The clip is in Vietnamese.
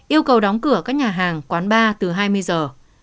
yêu cầu đóng cửa các nhà hàng quán bar từ hai mươi giờ